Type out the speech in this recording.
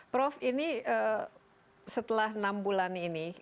prof ini setelah enam bulan ini